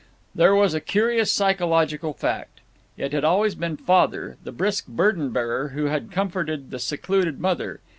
There was a curious psychological fact. It had always been Father, the brisk burden bearer, who had comforted the secluded Mother.